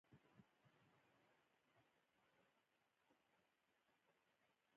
یوې جینۍ وویل چې دا فلیریک دی.